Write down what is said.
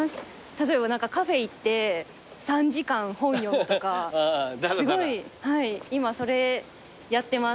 例えばカフェ行って３時間本読むとかすごい今それやってます。